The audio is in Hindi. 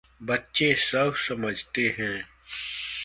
बच्चे सब समझते हैं।